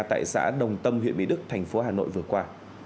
tại xã đồng tâm huyện mỹ đức thành phố hà nội vừa qua